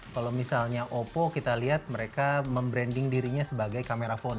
kalau misalnya oppo kita lihat mereka membranding dirinya sebagai kamera phone